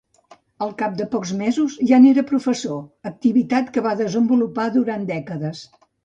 Al cap de pocs mesos ja n'era professor, activitat que va desenvolupar durant dècades.